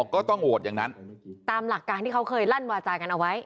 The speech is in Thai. ก็ต้องโหวตอย่างนั้นตามหลักการที่เขาเคยลั่นวาจากันเอาไว้